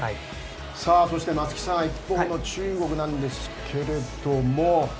さあ、そして松木さん一方の中国なんですけれども。